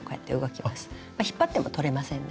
引っ張っても取れませんね。